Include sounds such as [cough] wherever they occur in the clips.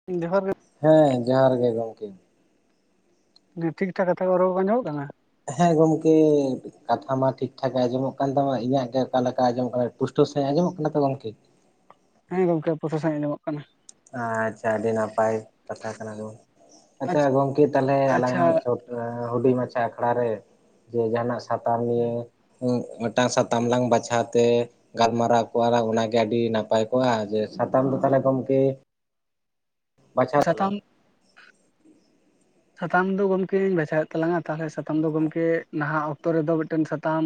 [unintelligible] ᱦᱮᱸ ᱡᱚᱦᱟᱨ ᱜᱮ ᱜᱚᱝᱠᱮ ᱾ ᱫᱤᱭᱟᱹ ᱴᱷᱤᱠ ᱴᱷᱟᱠ ᱠᱟᱛᱷᱟ ᱨᱚᱲ ᱠᱚ ᱟᱸᱡᱚᱢᱚᱜ ᱠᱟᱱᱟ? ᱦᱮᱸ ᱜᱚᱢᱠᱮ ᱾ ᱠᱟᱛᱷᱟ ᱢᱟ ᱴᱷᱤᱠ ᱴᱷᱟᱠ ᱜᱮ ᱟᱸᱡᱚᱢᱚᱜ ᱠᱟᱱ ᱛᱟᱢᱟ ᱤᱧᱟᱹᱜ ᱜᱮ ᱚᱠᱟ ᱞᱮᱠᱟ ᱟᱸᱡᱚᱢᱚᱜ ᱠᱟᱱᱟ ᱴᱩᱥᱴᱟᱹ ᱥᱟᱺᱦᱤᱡ ᱮ ᱟᱸᱡᱚᱢᱚᱜ ᱠᱟᱱᱟ ᱛᱚ ᱜᱚᱝᱠᱮ? ᱦᱮᱸ ᱜᱚᱝᱠᱮ ᱯᱨᱚᱥᱟ ᱥᱟᱺᱦᱤᱡ ᱟᱸᱡᱚᱢᱚᱜ ᱠᱟᱱᱟ ᱾ ᱟᱪᱪᱷᱟ ᱟᱹᱰᱤ ᱱᱟᱯᱟᱭ ᱠᱟᱛᱷᱟ ᱠᱟᱱᱟ ᱜᱚᱢᱠᱮ ᱟᱪᱪᱷᱟ ᱜᱚᱝᱠᱮ ᱛᱟᱦᱚᱞᱮ ᱟᱪᱪᱷᱟ ᱟᱞᱟᱝᱟᱜ ᱪᱚ ᱦᱩᱰᱤᱧ ᱢᱟᱪᱷᱟ ᱟᱠᱷᱲᱟ ᱨᱮ ᱡᱮ ᱡᱟᱦᱟᱱᱟᱜ ᱥᱟᱛᱟᱢ ᱱᱤᱭᱟᱹ ᱦᱩᱸ ᱢᱤᱫᱴᱟᱝ ᱥᱟᱛᱟᱢ ᱞᱟᱝ ᱵᱟᱪᱷᱟᱣ ᱛᱮ, ᱜᱟᱞᱢᱟᱨᱟᱣ ᱠᱚᱜᱼᱟ ᱞᱟᱝ ᱚᱱᱟᱜᱮ ᱟᱹᱰᱤ ᱱᱟᱯᱟᱭ ᱠᱚᱜᱼᱟ ᱡᱮ ᱥᱟᱛᱟᱢ ᱫᱚ ᱛᱟᱦᱚᱞᱮ ᱜᱚᱢᱠᱮ, ᱵᱟᱪᱷᱟ ᱛᱟᱞᱟᱝ ᱥᱟᱛᱟᱢ ᱢᱮ ᱥᱟᱛᱟᱢ ᱫᱚ ᱜᱚᱢᱠᱮᱧ ᱵᱟᱪᱷᱟᱣᱮᱫ ᱛᱟᱞᱟᱝᱟ ᱛᱟᱦᱚᱞᱮ ᱥᱟᱛᱟᱢ ᱫᱚ ᱜᱚᱢᱠᱮ ᱱᱟᱦᱟᱜ ᱚᱠᱛᱚ ᱨᱮᱫᱚ ᱢᱤᱫᱴᱮᱱ ᱥᱟᱛᱟᱢ,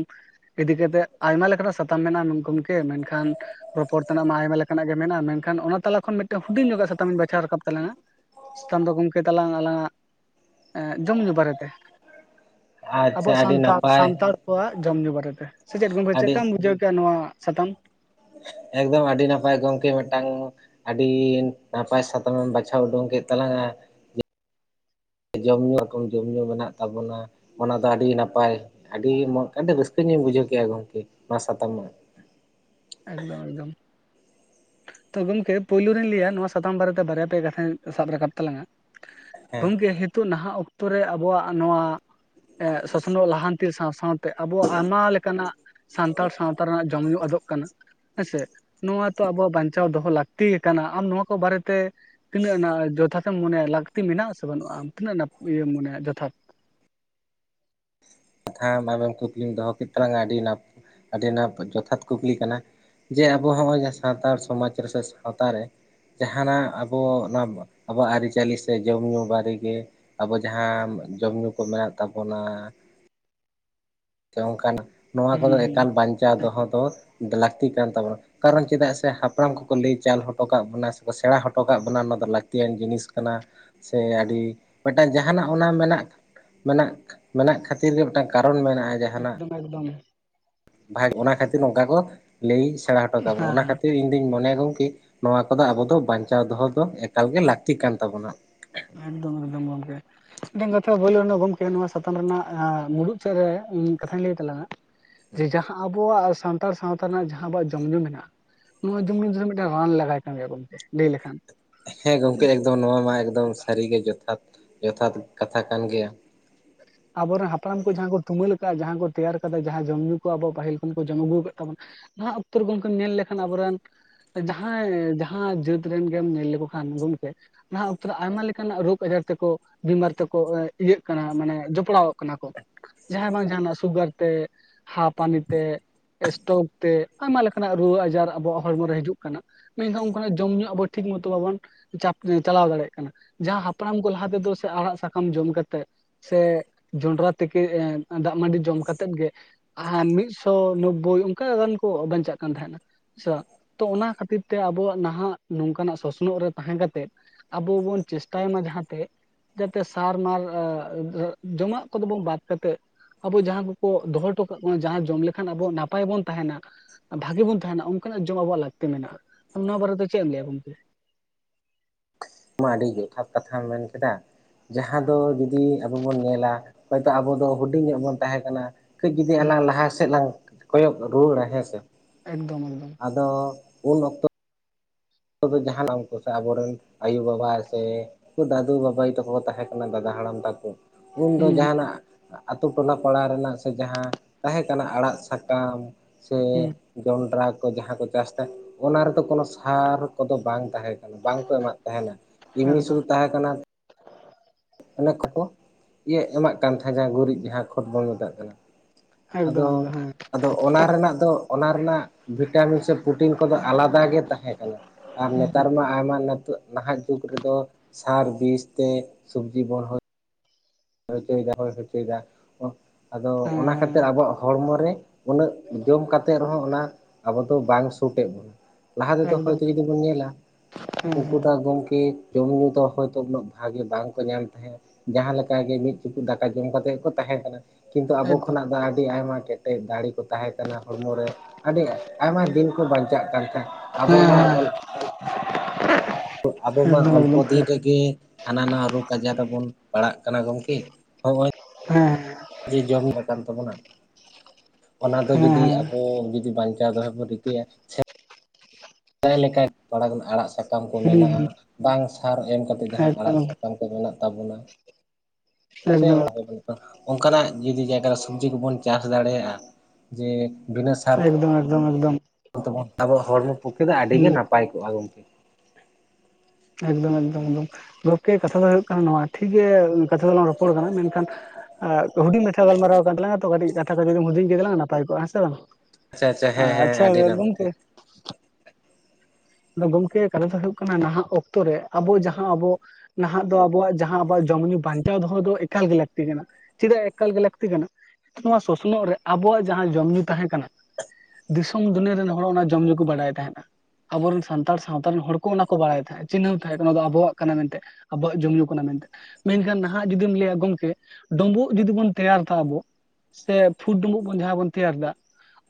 ᱤ ᱫᱮᱜᱮ ᱫᱮ ᱟᱭᱢᱟ ᱞᱮᱠᱟᱱᱟᱜ ᱥᱟᱛᱟᱢ ᱢᱮᱱᱟᱜ-ᱟ [unintelligible] ᱜᱚᱢᱠᱮ ᱢᱮᱱᱠᱷᱟᱱ ᱨᱚᱯᱚᱲ ᱛᱮᱱᱟᱜ ᱢᱟ ᱟᱭᱢᱟ ᱞᱮᱠᱟᱱᱟᱜ ᱜᱮ ᱢᱮᱱᱟᱜᱼᱟ ᱢᱮᱱᱠᱷᱟᱱ ᱚᱱᱟ ᱛᱟᱞᱟ ᱠᱷᱚᱱ ᱢᱤᱫᱴᱮᱱ ᱦᱩᱰᱤᱧ ᱧᱚᱜ-ᱟᱜ ᱥᱟᱛᱟᱢᱤᱧ ᱵᱟᱪᱷᱟᱣ ᱨᱟᱠᱟᱵ ᱛᱟᱞᱟᱝᱟ [unintelligible] ᱥᱠᱟᱱ ᱫᱚ ᱜᱚᱢᱠᱮ ᱛᱟᱞᱟᱝ ᱟᱞᱟᱝᱟᱜ ᱡᱚᱢ ᱧᱩ ᱵᱟᱨᱮᱛᱮ ᱟᱪᱪᱷᱟ ᱟᱵᱚᱣᱟᱜ ᱟᱹᱰᱤ ᱥᱟᱱᱛᱟᱲ ᱱᱟᱯᱟᱭ ᱥᱟᱱᱛᱟᱲ ᱠᱚᱣᱟᱜ ᱡᱚᱢ ᱧᱩ ᱵᱟᱨᱮᱛᱮ, ᱥᱮ ᱪᱮᱫ ᱜᱚᱢᱠᱮ ᱪᱮᱫ ᱟᱹᱰᱤ ᱞᱮᱠᱟᱢ ᱵᱩᱡᱷᱟᱹᱣ ᱠᱮᱜᱼᱟ ᱱᱚᱣᱟ ᱥᱟᱛᱟᱢ, ᱮᱠᱫᱚᱢ ᱟᱹᱰᱤ ᱱᱟᱯᱟᱭ ᱜᱚᱝᱠᱮ ᱢᱤᱫᱴᱟᱝ, ᱟᱹᱰᱤ ᱱᱟᱯᱟᱭ ᱥᱟᱛᱟᱢᱮᱢ ᱵᱟᱪᱷᱟᱣ ᱩᱰᱩᱝ ᱠᱮᱫ ᱛᱟᱞᱟᱝᱟ ᱾ ᱡᱚᱢᱼᱧᱩ ᱨᱚᱠᱚᱢ ᱡᱚᱢᱼᱧᱩ ᱢᱮᱱᱟᱜ ᱛᱟᱵᱚᱱᱟ ᱾ ᱚᱱᱟ ᱫᱚ ᱟᱹᱰᱤ ᱱᱟᱯᱟᱭ ᱟᱹᱰᱤ ᱢᱚᱡᱽ ᱟᱹᱰᱤ ᱨᱟᱹᱥᱠᱟᱹ ᱧᱚᱜ ᱤᱧ ᱵᱩᱡᱷᱟᱹᱣ ᱠᱮᱫᱼᱟ ᱜᱚᱢᱠᱮ ᱚᱱᱟ ᱥᱟᱛᱟᱢ ᱢᱟ ᱮᱠᱫᱚᱢ ᱮᱠᱫᱚᱢ ᱾ ᱛᱚ ᱜᱚᱢᱠᱮ ᱯᱳᱭᱞᱳ ᱨᱤᱧ ᱞᱟᱹᱭᱟ ᱱᱚᱣᱟ ᱥᱟᱛᱟᱢ ᱵᱟᱨᱮᱛᱮ ᱵᱟᱨᱭᱟ ᱯᱮ ᱠᱟᱛᱷᱟᱧ ᱥᱟᱵ ᱨᱟᱠᱟᱵ ᱛᱟᱞᱟᱝᱟ ᱾ ᱦᱮᱸ ᱜᱚᱢᱠᱮ ᱦᱤᱛᱚᱜ ᱱᱟᱦᱟᱜ ᱚᱠᱛᱚ ᱨᱮ ᱟᱵᱚᱣᱟᱜ ᱱᱚᱣᱟ ᱮ ᱥᱚᱥᱱᱚᱜ ᱞᱟᱦᱟᱱᱛᱤ ᱥᱟᱶ ᱥᱟᱶᱛᱮ ᱟᱵᱚᱣᱟᱜ ᱟᱭᱢᱟ ᱞᱮᱠᱟᱱᱟᱜ ᱥᱟᱱᱛᱟᱲ ᱥᱟᱶᱛᱟ ᱨᱮᱱᱟᱜ ᱡᱚᱢ ᱧᱩ ᱟᱫᱚᱜ ᱠᱟᱱᱟ ᱦᱮᱸᱥᱮ ᱱᱚᱣᱟ ᱛᱚ ᱟᱵᱚᱣᱟᱜ ᱵᱟᱧᱪᱟᱣ ᱫᱚᱦᱚ ᱞᱟᱹᱠᱛᱤ ᱠᱟᱱᱟ ᱟᱢ ᱱᱚᱣᱟ ᱠᱚ ᱵᱟᱨᱮᱛᱮ ᱛᱤᱱᱟᱹᱜ ᱡᱚᱛᱷᱟᱛᱮ ᱢᱚᱱᱮᱭᱟ ᱞᱟᱹᱠᱛᱤ ᱢᱮᱱᱟᱜᱼᱟ ᱥᱮ ᱵᱟᱹᱱᱩᱜ ᱟᱢ ᱛᱤᱱᱟᱹᱜ [unintelligible] ᱤᱭᱟᱹᱢ ᱢᱚᱱᱮᱭᱟ ᱡᱚᱛᱷᱟᱛ ᱟᱡᱮᱢ ᱠᱩᱠᱞᱤᱢ ᱫᱚᱦᱚ ᱠᱮᱫ ᱛᱟᱞᱟᱝᱟ ᱟᱹᱰᱤ ᱱᱟᱯ ᱟᱹᱰᱤ ᱱᱟᱯ ᱡᱚᱛᱷᱟᱛ ᱠᱩᱠᱞᱤ ᱠᱟᱱᱟ ᱡᱮ ᱟᱵᱚ ᱦᱚᱸᱜᱼᱚᱭ ᱡ ᱥᱟᱱᱛᱟᱲ ᱥᱚᱢᱟᱡᱽ ᱨᱮ ᱥᱮ ᱥᱟᱶᱛᱟ ᱨᱮ ᱡᱟᱦᱟᱱᱟᱜ ᱟᱵᱚ ᱱᱚᱣᱟ ᱟᱵᱚᱣᱟᱜ ᱟᱹᱨᱤ-ᱪᱟᱹᱞᱤ ᱥᱮ ᱡᱚᱢ ᱧᱩ ᱵᱟᱨᱮᱛᱮ ᱟᱵᱚ ᱡᱟᱦᱟᱸ ᱡᱚᱢ ᱧᱩ ᱠᱚ ᱢᱮᱱᱟᱜ ᱛᱟᱵᱚᱱᱟ ᱥᱮ ᱚᱱᱠᱟᱱᱟᱜ ᱱᱚᱣᱟ ᱠᱚᱫᱚ ᱦᱩᱸ ᱦᱩᱸ ᱮᱠᱟᱞ ᱵᱟᱧᱪᱟᱣ ᱫᱚᱦᱚ ᱫᱚ ᱞᱟᱹᱠᱛᱤ ᱠᱟᱱ ᱛᱟᱵᱚᱱᱟ ᱠᱟᱨᱚᱱ ᱪᱮᱫᱟᱜ ᱥᱮ ᱦᱟᱯᱲᱟᱢ ᱠᱚᱠᱚ ᱞᱟᱹᱭ ᱪᱟᱞ ᱦᱚᱴᱚ ᱠᱟᱜ ᱵᱚᱱᱟ ᱥᱮ ᱠᱚ ᱥᱮᱬᱟ ᱦᱚᱴᱚ ᱠᱟᱜ ᱵᱚᱱᱟ ᱚᱱᱟ ᱫᱚ ᱞᱟᱹᱠᱛᱤᱭᱟᱱ ᱡᱤᱱᱤᱥ ᱠᱟᱱᱟ ᱥᱮ ᱟᱹᱰᱤ ᱢᱤᱫᱴᱟᱝ ᱡᱟᱦᱟᱱᱟᱜ ᱚᱱᱟ ᱢᱮᱱᱟᱜ ᱢᱮᱱᱟᱜ ᱢᱮᱱᱟᱜ ᱠᱷᱟᱹᱛᱤᱨ ᱜᱮ ᱢᱤᱫᱴᱟᱝ ᱠᱟᱨᱚᱱ ᱢᱮᱱᱟᱜᱼᱟ ᱡᱟᱦᱟᱱᱟᱜ ᱮᱠᱫᱚᱢᱮ ᱵᱷᱟᱜ ᱚᱱᱟ ᱠᱷᱟᱹᱛᱤᱨ ᱱᱚᱝᱠᱟ ᱠᱚ ᱞᱟᱹᱭ ᱥᱮᱬᱟ ᱦᱚᱴᱚ ᱠᱟᱵᱚᱱᱟ ᱚᱱᱟ ᱠᱷᱟᱹᱛᱤᱨ ᱤᱧ ᱫᱩᱧ ᱢᱚᱱᱮᱭᱟ ᱜᱚᱢᱠᱮ ᱱᱚᱣᱟ ᱠᱚᱫᱚ ᱟᱵᱚ ᱫᱚ ᱵᱟᱧᱪᱟᱣ ᱫᱚᱦᱚ ᱫᱚ ᱮᱠᱟᱞᱜᱮ ᱞᱟᱹᱠᱛᱤ ᱠᱟᱱ ᱛᱟᱵᱚᱱᱟ ᱮᱠᱫᱚᱢ ᱮᱠᱫᱚᱢ ᱜᱚᱢᱠᱮ ᱢᱤᱫᱴᱟᱝ ᱠᱟᱛᱷᱟ ᱵᱷᱩᱞ ᱨᱮᱱᱟᱜ ᱜᱚᱝᱠᱮ ᱱᱚᱣᱟ ᱥᱟᱛᱟᱢ ᱨᱮᱱᱟᱜ ᱢᱩᱲᱩᱫ ᱥᱮᱫ ᱨᱮ ᱤᱧ ᱠᱟᱛᱷᱟᱧ ᱞᱟᱹᱭ ᱛᱟᱞᱟᱝᱼᱟ ᱡᱮ ᱡᱟᱦᱟᱸ ᱟᱵᱚᱣᱟᱜ ᱥᱟᱱᱛᱟᱲ ᱥᱟᱶᱛᱟ ᱨᱮᱱᱟᱜ ᱡᱟᱦᱟᱸ ᱟᱵᱚᱣᱟᱜ ᱡᱚᱢ ᱧᱩ ᱢᱮᱱᱟᱜᱼᱟ ᱱᱚᱜᱭ ᱫᱚᱢ ᱫᱤᱱ ᱫᱷᱮ ᱢᱤᱫᱴᱟᱝ ᱨᱟᱱ ᱞᱮᱟᱜᱟᱭ ᱠᱟᱱ ᱜᱮᱭᱟ ᱜᱚᱢᱠᱮ ᱞᱟᱹᱭ ᱞᱮᱠᱷᱟᱱ ᱦᱮᱸ ᱜᱚᱢᱠᱮ ᱮᱠᱫᱚᱢ ᱱᱚᱣᱟ ᱢᱟ ᱮᱠᱫᱚᱢ ᱥᱟᱹᱨᱤᱜᱮ ᱡᱚᱛᱷᱟᱛ ᱡᱚᱛᱷᱟᱛ ᱠᱟᱛᱷᱟ ᱠᱟᱱ ᱜᱮᱭᱟ ᱟᱵᱚᱨᱮᱱ ᱦᱟᱯᱲᱟᱢ ᱠᱚ ᱡᱟᱦᱟᱸ ᱠᱚ ᱛᱩᱢᱟᱹᱞ ᱟᱠᱟᱫᱼᱟ ᱡᱟᱦᱟᱸ ᱠᱚ ᱛᱮᱭᱟᱨ ᱠᱟᱫᱟ ᱡᱟᱦᱟᱸ ᱡᱚᱢ ᱧᱩ ᱠᱚ ᱟᱵᱚ ᱯᱟᱹᱤᱞ ᱠᱷᱚᱱ ᱠᱚ ᱡᱚᱢ ᱟᱹᱜᱩ ᱟᱠᱟᱫ ᱛᱟᱵᱚᱱ ᱱᱟᱦᱟᱜ ᱚᱠᱛᱚᱨᱮ ᱜᱚᱝᱠᱮ ᱧᱮᱞ ᱞᱮᱠᱷᱟᱱ ᱟᱵᱚᱨᱮᱱ ᱡᱟᱦᱟᱸᱭ ᱡᱟᱦᱟᱸ ᱡᱟᱹᱛ ᱨᱮᱱ ᱜᱮᱢ ᱧᱮᱞ ᱞᱮᱠᱚ ᱠᱷᱟᱱ ᱜᱚᱢᱠᱮ ᱱᱟᱦᱟᱜ ᱚᱠᱛᱚ ᱫᱚ ᱟᱭᱢᱟ ᱞᱮᱠᱟᱱᱟᱜ ᱨᱳᱜᱽ ᱟᱡᱟᱨ ᱛᱮᱠᱚ ᱵᱤᱢᱟᱨ ᱛᱮᱠᱚ ᱤᱭᱟᱹᱜ ᱠᱟᱱᱟ ᱢᱟᱱᱮ ᱯᱲᱟᱣᱚᱜ ᱠᱟᱱᱟ ᱠᱚ ᱡᱟᱦᱟᱸᱭ ᱵᱟᱝ ᱡᱟᱦᱱᱟᱜ ᱥᱩᱜᱟᱨ ᱛᱮ ᱦᱟᱯᱟᱱᱤ ᱛᱮ ᱥᱴᱳᱠ ᱛᱮ ᱟᱭᱢᱟ ᱞᱮᱠᱟᱱᱟᱜ ᱨᱩᱣᱟᱹ ᱟᱡᱟᱨ ᱟᱵᱚᱣᱟᱜ ᱦᱚᱲᱢᱚ ᱨᱮ ᱦᱤᱡᱩᱜ ᱠᱟᱱᱟ ᱢᱮᱱᱠᱷᱟᱱ ᱚᱱᱠᱟᱱᱟᱜ ᱡᱚᱢ ᱧᱩ ᱟᱵᱚ ᱴᱷᱤᱠ ᱢᱚᱛᱚ ᱵᱟᱵᱚᱱ ᱡᱟᱠ ᱪᱟᱞᱟᱣ ᱫᱟᱲᱮᱭᱟᱜ ᱠᱟᱱᱟ ᱡᱟᱦᱟᱸ ᱦᱟᱯᱲᱟᱢ ᱠᱚ ᱞᱟᱦᱟ ᱛᱮᱫᱚ ᱥᱮ ᱟᱲᱟᱜ ᱥᱟᱠᱟᱢ ᱡᱚᱢ ᱠᱟᱛᱮᱜ ᱥᱮ ᱡᱚᱱᱰᱨᱟ ᱛᱤᱠᱤ ᱫᱟᱜ ᱢᱟᱸᱰᱤ ᱡᱚᱢ ᱠᱟᱛᱮᱜ ᱜᱮ ᱟᱦᱟ ᱢᱤᱫᱥᱚ ᱱᱵᱽᱵᱳᱭ ᱚᱱᱠᱟ ᱨᱟᱱ ᱠᱚ ᱵᱟᱧᱪᱟᱜ ᱠᱟᱱ ᱛᱟᱦᱮᱱᱟ [unintelligible] ᱛᱚ ᱚᱱᱟ ᱠᱷᱟᱹᱛᱤᱨ ᱛᱮ ᱟᱵᱚᱣᱟᱜ ᱱᱟᱦᱟᱜ ᱱᱚᱝᱠᱟᱱᱟᱜ ᱥᱚᱥᱱᱚᱜ ᱨᱮ ᱛᱟᱦᱮᱸ ᱠᱟᱛᱮ ᱟᱵᱚ ᱵᱚᱱ ᱪᱮᱥᱴᱟᱭ ᱢᱟ ᱡᱟᱦᱟᱸᱛᱮ ᱡᱟᱛᱮ ᱥᱟᱨᱢᱟ [unintelligible] ᱡᱚᱢᱟᱜ ᱠᱚᱫᱚ ᱵᱚᱱ ᱵᱟᱫ ᱠᱟᱛᱮᱫ ᱟᱵᱚ ᱡᱟᱦᱟᱸ ᱠᱚᱠᱚ ᱫᱚᱦᱚ ᱦᱚᱴᱚ ᱠᱟᱜ ᱵᱚᱱᱟ ᱡᱟᱦᱟᱸ ᱡᱚᱢ ᱞᱮᱠᱷᱟᱱ ᱟᱵᱚ ᱱᱟᱯᱟᱭ ᱵᱚᱱ ᱛᱟᱦᱮᱱᱟ ᱵᱷᱟᱜᱤ ᱵᱚᱱ ᱛᱟᱦᱮᱱᱟ ᱚᱱᱠᱟᱱᱟᱜ ᱡᱚᱢ ᱟᱵᱚᱣᱟᱜ ᱞᱟᱹᱠᱛᱤ ᱢᱮᱱᱟᱜᱼᱟ ᱟᱢ ᱱᱚᱣᱟ ᱵᱟᱨᱮᱛᱮ ᱪᱮᱫ ᱮᱢ ᱞᱟᱹᱭᱟ ᱜᱚᱝᱠᱮ [unintelligible] ᱢᱟ ᱟᱹᱰᱤ ᱡᱚᱛᱷᱟᱛ ᱠᱟᱛᱷᱟᱢ ᱢᱮᱱ ᱠᱮᱫᱟ ᱡᱟᱦᱟᱸ ᱫᱚ ᱡᱩᱚᱫᱤ ᱟᱵᱚ ᱵᱚᱱ ᱧᱮᱞᱟ ᱦᱚᱭᱛᱳ ᱟᱵᱚ ᱫᱚ ᱦᱩᱰᱤᱧ ᱧᱚᱜ ᱵᱚᱱ ᱛᱟᱦᱮᱸ ᱠᱟᱱᱟ ᱠᱟᱹᱡ ᱡᱩᱫᱤ ᱦᱩᱸ ᱟᱞᱟᱝ ᱞᱟᱦᱟ ᱥᱮᱫ ᱞᱟᱝ ᱠᱚᱭᱚᱜ ᱨᱩᱣᱟᱹᱲ ᱟ ᱦᱮᱥᱮ ᱮᱠᱫᱚᱢ ᱮᱠᱫᱚᱢ ᱟᱫᱚ ᱩᱱ ᱚᱠᱛᱚ ᱟ ᱫᱚ ᱡᱟᱦᱱᱟᱜ ᱩᱱ ᱠᱚ ᱥᱮ ᱟᱵᱚᱨᱮᱱ ᱟᱭᱳ ᱵᱟᱵᱟ ᱥᱮ [unintelligible] ᱫᱟᱫᱩ ᱵᱟᱵᱟᱭ ᱛᱟᱠᱚ ᱠᱚ ᱛᱟᱦᱮᱸ ᱠᱟᱱᱟ ᱫᱟᱫᱟ ᱦᱟᱲᱟᱢ ᱛᱟᱠᱚ ᱩᱱᱫᱚ ᱦᱩᱸ ᱦᱩᱸ ᱡᱟᱦᱟᱱᱟᱜ ᱟᱛᱩ ᱴᱚᱞᱟ ᱯᱟᱲᱟ ᱨᱮᱱᱟᱜ ᱥᱮ ᱡᱟᱦᱟᱸ ᱛᱟᱦᱮᱸ ᱠᱟᱱᱟ ᱟᱲᱟᱜ ᱥᱟᱠᱟᱢ ᱥᱮ ᱦᱩᱸ ᱡᱚᱱᱰᱨᱟ ᱠᱚ ᱡᱟᱦᱟᱸ ᱠᱚ ᱪᱟᱥ ᱛᱮ ᱚᱱᱟ ᱨᱮᱫᱚ ᱠᱳᱱᱳ ᱥᱟᱨ ᱠᱚᱫᱚ ᱵᱟᱝ ᱛᱟᱦᱮᱸ ᱠᱟᱱᱟ ᱵᱟᱝᱠᱚ ᱮᱢᱟᱜ ᱛᱟᱦᱮᱱᱟ ᱮᱢᱱᱤ ᱥᱩᱨ ᱮᱠᱫᱚᱢ ᱛᱟᱦᱮᱸ ᱠᱟᱱᱟ ᱚᱱᱮ ᱠᱚᱠᱚ ᱤᱭᱟᱹ ᱮᱢᱟᱜ ᱠᱟᱱ ᱛᱟᱦᱮᱸᱫ ᱡᱟᱦᱟᱸ ᱜᱩᱨᱤᱡ ᱡᱟᱦᱟᱸ ᱠᱷᱚᱛ ᱵᱚᱱ ᱢᱮᱛᱟᱜ ᱠᱟᱱᱟ ᱮᱠᱫᱚᱢ ᱟᱫᱚ, ᱮᱠᱫᱚᱢ ᱟᱫᱚ ᱚᱱᱟ ᱨᱮᱱᱟᱜ ᱫᱚ ᱚᱱᱟ ᱨᱮᱱᱟᱜ ᱵᱷᱤᱴᱟᱢᱤᱱ ᱥᱮ ᱯᱨᱳᱚᱴᱤᱱ ᱠᱚᱫᱚ ᱟᱞᱟᱫᱟ ᱜᱮ ᱛᱟ- ᱦᱮᱸ ᱠᱟᱱᱟ ᱟᱨ ᱦᱮᱸ ᱱᱮᱛᱟᱨ ᱢᱟ ᱟᱭᱢᱟ ᱱᱟᱛᱷᱩ ᱱᱟᱦᱟᱜ ᱡᱩᱜᱽ ᱨᱮᱫᱚ ᱥᱟᱨ ᱵᱤᱥ ᱛᱮ ᱥᱚᱵᱡᱤ ᱵᱚ ᱨᱚᱦᱚᱭ ᱪᱚᱭ ᱦᱚᱭ ᱦᱚᱪᱚᱭᱮᱫᱟ ᱟᱫᱚ ᱦᱮᱸ ᱚᱱᱟ ᱦᱮᱸ ᱠᱷᱟᱹᱛᱤᱨ ᱟᱵᱚᱣᱟᱜ ᱦᱚᱲᱢᱚ ᱨᱮ ᱩᱱᱟᱹᱜ ᱡᱚᱢ ᱠᱟᱛᱮᱜ ᱨᱮᱦᱚᱸ ᱚᱱᱟ ᱟᱵᱚ ᱫᱚ ᱵᱟᱝ ᱥᱩᱴ ᱮᱫ ᱵᱚᱱᱟ ᱞᱟᱦᱟ ᱛᱮᱫᱚ ᱦᱚᱭᱛᱳ ᱡᱩᱫᱤ ᱵᱚᱱ ᱧᱮᱞᱟ ᱩᱱᱠᱩ ᱫᱚ ᱮᱠᱫᱚᱢ ᱜᱚᱢᱠᱮ ᱡᱚᱢ ᱧᱩ ᱫᱚ ᱦᱚᱭ ᱛᱚ ᱩᱱᱟᱹᱜ ᱵᱷᱟᱜᱤ ᱵᱟᱝᱠᱚ ᱧᱟᱢ ᱛᱟᱦᱮᱸᱫ ᱡᱟᱦᱟᱸ ᱞᱮ- ᱠᱟᱜᱮ ᱢᱤᱫ ᱪᱩᱯᱩᱫ ᱫᱟᱠᱟ ᱡᱚᱢ ᱠᱟᱛᱮᱜ ᱜᱮᱠᱚ ᱛᱟᱦᱮᱸ ᱠᱟᱱᱟ ᱦᱮᱸ ᱦᱮᱸ ᱠᱤᱱᱛᱩ ᱟᱵᱚ ᱮᱠᱫᱚᱢ ᱠᱷᱚᱱᱟᱜ ᱫᱚ ᱟᱹᱰᱤ ᱟᱭᱢᱟ ᱠᱮᱴᱮᱡ ᱫᱟᱲᱮ ᱛᱟᱦᱮᱸ ᱠᱟᱱᱟ ᱦᱚᱲᱢᱚ ᱨᱮ ᱟᱹᱰᱤ ᱟᱭᱢᱟ ᱫᱤᱱ ᱠᱚ ᱵᱟᱧᱪᱟᱜ ᱠᱟᱱ ᱛᱟᱦᱮᱸᱫ ᱟᱵᱚ ᱦᱮᱸ ᱦᱮᱸ ᱮᱠᱫᱚᱢ ᱢᱟ ᱚᱞ [unintelligible] ᱟᱵᱚ ᱢᱟ ᱦᱮᱸ ᱦᱩᱸ ᱚᱞᱯᱚ ᱦᱩᱸ ᱮᱠᱫᱚᱢ ᱫᱤᱱ ᱨᱮᱜᱮ ᱦᱟᱱᱟ ᱱᱟᱭᱟ ᱨᱳᱜᱽ ᱟᱡᱟᱨ ᱨᱮᱵᱚᱱ ᱯᱟᱲᱟᱜ ᱠᱟᱱᱟ ᱜᱚᱢᱠᱮ ᱱᱚᱼᱚᱭ ᱦᱮᱸ ᱡᱮ ᱡᱚᱢ ᱠᱟᱱ ᱛᱟᱵᱚᱱᱟ ᱚᱱᱟ ᱫᱚ ᱡᱩᱫᱤ ᱟᱵᱚ ᱡᱩᱫᱤ ᱵᱟᱝᱪ- ᱪᱟ ᱫᱚᱵ ᱨᱤᱠ [unintelligible] [unintelligible] ᱟᱲᱟᱜ ᱥᱟᱠᱟᱢ ᱠᱚ ᱢᱮᱱᱟᱜᱼᱟ ᱵᱟᱝ ᱥᱟᱨ ᱮᱢ ᱠᱟᱛᱮ ᱡᱟᱦᱟᱸ ᱟᱲᱟᱜ ᱥᱟᱠᱟᱢ ᱠᱚ ᱢᱮᱱᱟᱜ ᱛᱟᱵᱚᱱᱟ ᱥᱮ [unintelligible] ᱚᱱᱠᱟᱱᱟᱜ ᱡᱩᱫᱤ ᱡᱟᱭᱜᱟᱟᱨ ᱨᱮ ᱥᱚᱵᱡᱤ ᱠᱚᱵᱚᱱ ᱪᱟᱥ ᱫᱟᱲᱮᱭᱟᱜᱼᱟ ᱡᱮ ᱵᱤᱱᱟᱹ ᱥᱟᱨ ᱮᱠᱫᱚᱢ ᱮᱠᱫᱚᱢ ᱮᱠᱫᱚᱢ ᱮᱠᱫᱚᱢ ᱠᱷᱚ- ᱟᱵᱚᱣᱟᱜ ᱦᱚᱲᱢᱚ ᱯᱚᱠᱷᱮ ᱫᱚ ᱟᱹᱰᱤᱜ ᱜᱮ ᱦᱩᱸ ᱱᱟᱯᱟᱭ ᱠᱚᱜᱼᱟ ᱜᱚᱢᱠᱮ ᱮᱠᱫᱚᱢ ᱮᱠᱫᱚᱢ ᱮᱠᱫᱚᱢ ᱜᱚᱢᱠᱮ ᱠᱟᱛᱷᱟ ᱫᱚ ᱦᱩᱭᱩᱜ ᱠᱟᱱᱟ ᱱᱚᱣᱟ ᱴᱷᱤᱠᱜᱮ ᱠᱟᱛᱷᱟ ᱫᱚᱞᱟᱝ ᱨᱚᱯᱚᱲ ᱠᱟᱱᱟ ᱢᱮᱱᱠᱷᱟᱱ ᱦᱩᱰᱤᱧ ᱢᱟᱪᱷᱣ ᱜᱟᱞᱢᱟᱨᱟᱣ ᱠᱟᱱ ᱛᱟᱝ ᱛᱚ ᱠᱟᱹᱴᱤᱡ ᱠᱟᱛᱷᱟ ᱠᱚ ᱡᱩᱫᱤ ᱦᱩᱫᱤᱧ ᱠᱮᱛᱟᱞᱟᱝᱼᱟ ᱱᱟᱯᱟᱭ ᱠᱚᱜᱼᱟ ᱦᱮᱸ ᱥᱮᱮ ᱟᱪᱪᱷᱟ ᱟᱪᱪᱷᱟ ᱵᱟᱝ ᱦᱮᱸ [unintelligible] ᱦᱮᱸ ᱟᱪᱪᱷᱟ ᱟᱹᱰᱤ ᱱᱟᱯᱟᱭ [unintelligible] ᱟᱫᱚ ᱜᱚᱢᱠᱮ ᱠᱟᱛᱷᱟ ᱫᱚ ᱦᱳᱭᱳᱜ ᱠᱟᱱᱟ ᱱᱟᱦᱟᱜ ᱚᱠᱛᱚᱮ ᱨᱮ ᱡᱟᱸᱦᱟ ᱟᱵᱚ ᱡᱟᱦᱟᱸ ᱟᱵᱚ ᱱᱟᱦᱟᱜ ᱫᱚ ᱟᱵᱚᱣᱟᱜ ᱡᱟᱦᱟᱸ ᱟᱵᱚᱣᱟᱜ ᱡᱚᱢ ᱧᱩ ᱵᱟᱧᱪᱟᱣ ᱫᱚᱦᱚ ᱫᱚ ᱮᱠᱟᱞ ᱜᱮᱴᱮ ᱞᱟᱹᱠᱛᱤ ᱠᱟᱱᱟ ᱪᱮᱫᱟᱜ ᱮᱠᱟᱞ ᱜᱮ ᱞᱟᱹᱠᱛᱤ ᱠᱟᱱᱟ ᱱᱚᱣᱟ ᱥᱚᱥᱱᱚᱜ ᱨᱮ ᱟᱵᱚᱣᱟᱜ ᱡᱟᱦᱟᱸ ᱡᱚᱢ ᱧᱩ ᱛᱟᱦᱮᱸ ᱠᱟᱱᱟ ᱫᱤᱥᱚᱢ ᱫᱩᱱᱤᱭᱟᱹ ᱨᱮᱱ ᱦᱚᱲ ᱚᱱᱟ ᱡᱚᱢ ᱧᱩᱩ ᱠᱚ ᱵᱟᱰᱟᱭ ᱛᱟᱦᱮᱱᱟ-ᱟ ᱟᱵᱚᱨᱮᱱ ᱥᱟᱱᱛᱟᱲ ᱥᱟᱶᱛᱟ ᱨᱮᱱ ᱦᱚᱲ ᱠᱚ ᱚᱱᱟ ᱠᱚ ᱵᱟᱲᱟᱭ ᱛᱟᱦᱮᱸᱫ ᱪᱤᱱᱦᱟᱹᱣ ᱛᱟᱦᱮᱸᱫ ᱚᱱᱟ ᱫᱚ ᱟᱵᱚᱣᱟᱜ ᱠᱟᱱᱟ ᱢᱮᱱᱛᱮ ᱟᱵᱚᱣᱟᱜ ᱡᱚᱢᱼ ᱧᱩ ᱠᱟᱱᱟ ᱢᱮᱱᱛᱮᱫ ᱢᱮᱱᱠᱷᱟᱱ ᱱᱟᱦᱟᱜ ᱡᱩᱫᱤᱢ ᱞᱟᱹᱭᱟ ᱜᱚᱢᱠᱮ ᱰᱩᱸᱵᱩᱜ ᱡᱩᱫᱤ ᱵᱚᱱ ᱛᱮᱭᱟᱨ ᱛᱟ ᱟᱵᱚ ᱥᱮ ᱯᱷᱩᱴ ᱰᱩᱸᱵᱩᱜ ᱵᱚᱱ ᱡᱟᱦᱟᱸ ᱵᱚᱱ ᱛᱮᱭᱟᱨ ᱫᱟ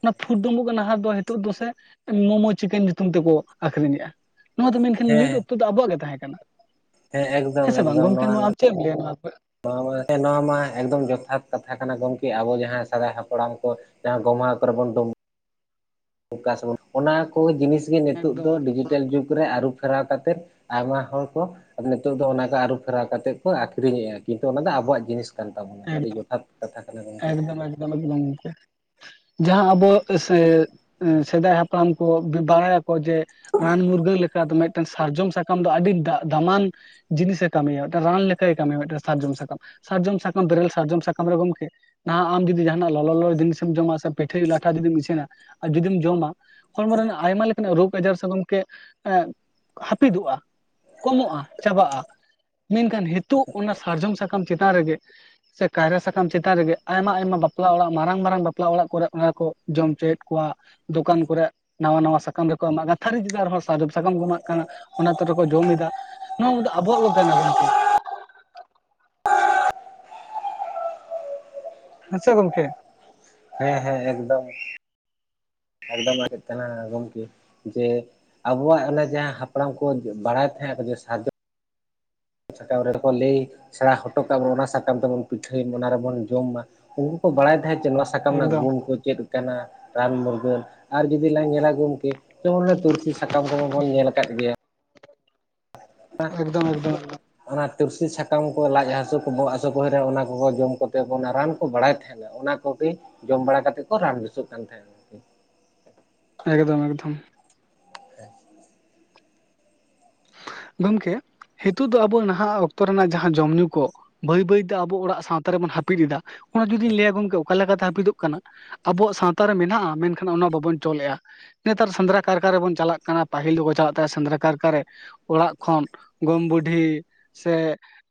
ᱚᱱᱟ ᱯᱷᱩᱰ ᱜᱮ ᱱᱟᱦᱟᱜ ᱫᱚ ᱱᱤᱛᱚᱜ ᱫᱚᱥ ᱢᱳᱢᱳ ᱪᱤᱠᱮᱱ [unintelligible] ᱧᱩᱛᱩᱢ ᱛᱮᱠᱚ ᱟᱠᱷᱨᱤᱧᱮ-ᱟ ᱱᱚᱣᱟ ᱫᱚ ᱢᱮᱱᱠᱷᱟᱱ ᱦᱮᱸ ᱢᱤᱫ ᱚᱠᱛᱚ ᱫᱚ ᱟᱵᱚᱣᱟᱜ ᱜᱮ ᱛᱟᱦᱮᱸ ᱠᱟᱱᱟ ᱦᱮᱸ ᱥᱮ ᱵᱟᱝ ᱜᱚᱢᱠᱮ ᱱᱚᱣᱟ ᱟᱢ ᱪᱮ ᱮᱢ ᱞᱟᱹᱭᱟ ᱱᱚᱣᱟᱠᱚᱨᱮᱜ ᱱᱚᱣᱟᱸ ᱱᱚᱣᱟ ᱢᱟ ᱮᱠᱫᱚᱢ ᱡᱚᱛᱷᱟᱛ ᱠᱟᱛᱷᱟ ᱠᱟᱱᱟ ᱜᱚᱢᱠᱮ ᱟᱵᱚ ᱡᱟᱦᱟᱸᱭ ᱥᱮᱫᱟᱭ ᱦᱟᱯᱲᱟᱢ ᱠᱚ ᱡᱟᱦᱟᱸ ᱜᱚᱢᱟ ᱟᱠ ᱠᱚᱨᱮ ᱵᱚᱱ ᱰᱩᱸᱵ- ᱚᱠᱟ ᱥᱚᱢᱚᱭ ᱚᱱᱟ ᱠᱚ ᱡᱤᱱᱤᱥ ᱜᱮ ᱱᱤᱛᱚᱜ ᱮᱠᱫᱚᱢ ᱫᱚ ᱰᱤᱡᱤᱴᱟᱞ ᱡᱩᱜᱽ ᱨᱮ ᱟᱹᱨᱩ ᱯᱷᱮᱨᱟᱣ ᱠᱟᱛᱮᱫ ᱟᱭᱢᱟ ᱦᱚᱲᱠᱚ ᱱᱤᱛᱚᱜ ᱫᱚ ᱚᱱᱟ ᱜᱮ ᱟᱹᱨᱩᱯᱷᱮᱨᱟᱣ ᱠᱟᱛᱮᱫ ᱠᱚ ᱟᱠᱷᱨᱤᱧᱮᱼᱟ ᱠᱤᱱᱛᱩ ᱚᱱᱟ ᱫᱚ ᱟᱵᱚᱣᱟᱜ ᱡᱤᱱᱤᱥ [unintelligible] ᱟᱹᱰᱤ ᱡᱚᱛᱷᱟᱛ ᱠᱟᱛᱷᱟ ᱠᱟᱱᱟ ᱜᱚᱝᱠᱮ [unintelligible] ᱡᱟᱦᱟᱸ ᱟᱵᱚ ᱥᱮᱻ ᱥᱮᱫᱟᱭ ᱦᱟᱯᱲᱟᱢ ᱠᱚ ᱵᱟᱲᱟᱭ- ᱟᱠᱚ ᱡᱮ ᱨᱟᱱ ᱢᱩᱨᱜᱟᱹᱱ ᱞᱮᱠᱟ ᱫᱚ ᱢᱤᱫᱴᱟᱝ ᱥᱟᱨᱡᱚᱢ ᱥᱟᱠᱟᱢ ᱫᱚ ᱟᱹᱰᱤ ᱫᱟ ᱫᱟᱢᱟᱱ ᱡᱤᱱᱤᱥᱮ ᱠᱟᱹᱢᱤᱭᱟ ᱢᱮᱴᱟᱹᱜ ᱨᱟᱱ ᱞᱮᱠᱟᱭ ᱠᱟᱹᱢᱤᱭᱟ ᱥᱟᱨᱡᱚᱢ ᱥᱟᱠᱟᱢ ᱥᱟᱨᱡᱚᱢ ᱥᱟᱠᱟᱢ ᱵᱮᱨᱮᱞ ᱥᱟᱨᱡᱚᱢ ᱥᱟᱠᱟᱢ ᱨᱮ ᱜᱚᱢᱠᱮ [unintelligible] ᱱᱟᱦᱟᱜ ᱟᱢ ᱡᱩᱫᱤ ᱡᱟᱦᱟᱱᱟᱜ ᱞᱚᱞ ᱞᱚᱞᱚ ᱡᱤᱱᱤᱥᱢ ᱡᱚᱢᱟ ᱥᱮ ᱯᱤᱴᱷᱟᱹ ᱞᱟᱴᱷᱟ ᱡᱩᱫᱤᱢ ᱤᱥᱤᱱᱟ ᱟᱨ ᱡᱩᱫᱤᱢ ᱡᱚᱢᱟ ᱦᱚᱲᱢᱚ ᱨᱮᱱᱟᱜ ᱟᱭᱢᱟ ᱞᱮᱠᱟᱱᱟᱜ ᱨᱳᱜᱽ ᱟᱡᱟᱨ ᱥᱮ ᱜᱚᱝᱠᱮ ᱦᱟᱹᱯᱤᱫᱚᱜᱼᱟ ᱠᱚᱢᱚᱜᱼᱟ ᱪᱟᱵᱟᱜᱼᱟ ᱢᱮᱱᱠᱷᱟᱱ ᱱᱤᱛᱳᱜ ᱚᱱᱟ ᱥᱟᱨᱡᱚᱢ ᱥᱟᱠᱟᱢ ᱪᱮᱛᱟᱱ ᱨᱮᱜᱮ [inaudible] ᱟᱪᱪᱷᱟ ᱠᱟᱭᱨᱟ ᱥᱟᱠᱟᱢ ᱪᱮᱛᱟᱱ ᱨᱮᱜᱮ ᱟᱭᱢᱟ ᱟᱭᱢᱟ ᱵᱟᱯᱞᱟ ᱚᱲᱟᱜ ᱢᱟᱨᱟᱝ ᱢᱟᱨᱟᱝ ᱵᱟᱯᱞᱟ ᱚᱲᱟᱜ ᱠᱚᱨᱮ ᱚᱱᱟ ᱠᱚ ᱡᱚᱢ ᱦᱚᱪᱚᱭᱮᱫ ᱠᱚᱣᱟ ᱫᱚᱠᱟᱱ ᱠᱚᱨᱮ ᱱᱟᱣᱟ ᱱᱟᱣᱟ ᱥᱟᱠᱟᱢ ᱨᱮᱠᱚ ᱮᱢᱟᱜ-ᱟ ᱛᱷᱟᱹᱨᱤ ᱪᱮᱛᱟᱱ ᱨᱮᱸᱦᱚ ᱥᱟᱨᱡᱚᱢ ᱥᱟᱠᱟᱢ ᱠᱚ ᱮᱢᱟᱜ ᱠᱟᱱᱟ ᱚᱱᱟ ᱛᱮ ᱨᱮᱠᱚ ᱡᱚᱢ ᱮᱫᱟ ᱱᱚᱣᱟᱫᱚ ᱟᱵᱚᱣᱟᱜ ᱠᱚ ᱠᱟᱱᱟ ᱜᱚᱢᱠᱮ ᱟᱪᱪᱷᱟ ᱜᱚᱢᱠᱮ ᱦᱮᱸ ᱦᱮᱸ ᱮᱠᱫᱚᱢ ᱮᱠᱫᱚᱢᱮᱫ ᱠᱟᱱᱟ ᱜᱚᱢᱠᱮ ᱡᱮ ᱟᱵᱚᱣᱟᱜ ᱚᱱᱮ ᱡᱟᱦᱟᱸ ᱦᱟᱯᱲᱟᱢ ᱠᱚ ᱵᱟᱲᱟᱭ ᱛᱟᱦᱮᱸᱫ ᱠᱟᱱᱟ ᱥᱟᱨᱡᱚᱢ ᱥᱟᱠᱟᱢ ᱨᱮᱠᱚ ᱞᱟᱹᱭ ᱥᱮᱲᱟ ᱦᱚᱴᱚ ᱠᱟᱜ ᱵᱚᱱ ᱚᱱᱟ ᱥᱟᱠᱟᱢ ᱛᱮᱵᱚᱱ ᱯᱤᱴᱷᱟᱹᱭ ᱢᱟ ᱚᱱᱟ ᱨᱮᱵᱚᱱ ᱡᱚᱢ ᱢᱟ ᱾ ᱩᱱᱠᱩ ᱠᱚ ᱵᱟᱲᱟᱭ ᱛᱟᱦᱮᱸᱫ ᱡᱮ ᱱᱚᱣᱟ ᱥᱟᱠᱟᱢ ᱨᱮᱱᱟᱜ ᱮᱠᱫᱚᱢ ᱜᱩᱱ ᱠᱚ ᱪᱮᱫ ᱠᱟᱱᱟ ᱾ ᱨᱟᱱ ᱢᱩᱨᱜᱟᱹᱱ ᱟᱨ ᱡᱩᱫᱤ ᱞᱟᱝ ᱧᱮᱞᱟ ᱜᱚᱝᱠᱮ, ᱡᱮᱢᱚᱱ ᱛᱩᱞᱥᱤ ᱥᱟᱠᱟᱢ ᱠᱚᱢᱟᱵᱚᱱ ᱧᱮᱞ ᱟᱠᱟᱫ ᱜᱮᱭᱟ ᱾ ᱮᱠᱫᱚᱢ ᱮᱠᱫᱚᱢ ᱮᱠᱫᱚᱢ ᱾ ᱚᱱᱟ ᱛᱩᱨᱥᱤ ᱥᱟᱠᱟᱢ ᱠᱚ ᱞᱟᱡ ᱦᱟᱥᱩ ᱠᱚ ᱵᱚᱦᱚᱜ ᱦᱟᱥᱩ ᱠᱚ ᱦᱩᱭᱱᱟ ᱚᱱᱟ ᱠᱚᱠᱚ ᱡᱚᱢ ᱠᱟᱛᱮ ᱠᱚ ᱚᱱᱟ ᱨᱟᱱ ᱠᱚ ᱵᱟᱲᱟᱭ ᱛᱟᱦᱮᱱᱟ ᱾ ᱚᱱᱟ ᱠᱚᱜᱮ ᱡᱚᱢ ᱵᱟᱲᱟ ᱠᱟᱛᱮ ᱠᱚ ᱨᱟᱱ ᱵᱮᱥᱚᱜ ᱠᱟᱱ ᱛᱟᱦᱮᱸᱫ ᱾ ᱮᱠᱫᱚᱢ ᱮᱠᱫᱚᱢ ᱾ ᱦᱮᱸ [unintelligible] ᱜᱚᱝᱠᱮ ᱱᱤᱛᱚᱜ ᱫᱚ ᱟᱵᱚ ᱱᱟᱦᱟᱜ ᱚᱠᱛᱚ ᱨᱮᱱᱟᱜ ᱡᱟᱦᱟᱸ ᱡᱚᱢ ᱧᱩ ᱠᱚ ᱵᱟᱹᱭ ᱵᱟᱹᱭᱛᱮ ᱟᱵᱚ ᱚᱲᱟᱜ ᱥᱟᱶᱛᱟ ᱨᱮᱵᱚᱱ ᱦᱟᱹᱯᱤᱫ ᱮᱫᱟ, ᱚᱱᱟ ᱡᱩᱫᱤᱧ ᱞᱟᱹᱭᱟ ᱜᱚᱝᱠᱮ ᱚᱠᱟ ᱞᱮᱠᱟᱛᱮ ᱦᱟᱹᱯᱤᱫᱚᱜ ᱠᱟᱱᱟ? ᱟᱵᱚᱣᱟᱜ ᱥᱟᱶᱛᱟ ᱨᱮ ᱢᱮᱱᱟᱜᱼᱟ, ᱢᱮᱱᱠᱷᱟᱱ ᱚᱱᱟ ᱵᱟᱵᱚᱱ ᱪᱚᱞ ᱮᱜᱼᱟ ᱾ ᱱᱮᱛᱟᱨ ᱥᱮᱸᱫᱽᱨᱟ ᱠᱟᱨᱠᱟ ᱨᱮᱵᱚᱱ ᱪᱟᱞᱟᱜ ᱠᱟᱱᱟ, ᱯᱟᱦᱤᱞ ᱫᱚᱠᱚ ᱪᱟᱞᱟᱜ ᱛᱟᱦᱮᱸ ᱥᱮᱸᱫᱽᱨᱟ ᱠᱟᱨᱠᱟᱨᱮ ᱾ ᱚᱲᱟᱜ ᱠᱷᱚᱱ ᱜᱚᱲᱚᱢ ᱵᱩᱰᱷᱤ ᱥᱮ,